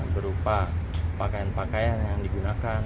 berupa pakaian pakaian yang digunakan